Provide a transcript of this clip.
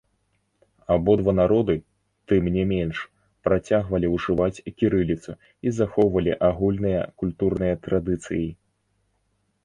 Абодва народы, тым не менш, працягвалі ўжываць кірыліцу і захоўвалі агульныя культурныя традыцыі.